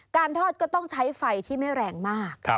การทอดก็ต้องใช้ไฟที่ไม่แรงมาก